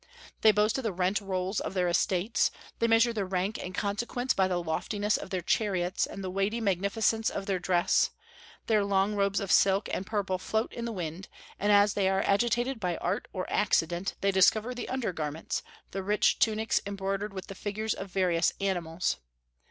They boast of the rent rolls of their estates; they measure their rank and consequence by the loftiness of their chariots and the weighty magnificence of their dress; their long robes of silk and purple float in the wind, and as they are agitated by art or accident they discover the under garments, the rich tunics embroidered with the figures of various animals.